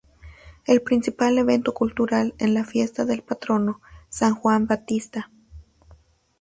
El principal evento cultural es la fiesta del patrono, San Juán Batista.